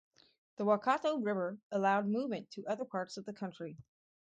The Waikato River allowed movement to other parts of the country.